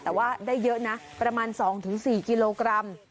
แต่ว่าได้เยอะนะประมาณสองถึงสี่กิโลกรัม